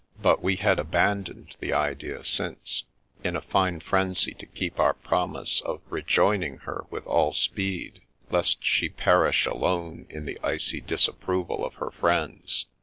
But we had abandoned the idea since, in a fine frenzy to keep our promise of rejoining her with all speed lest she perish alone in the icy disapproval of her friends.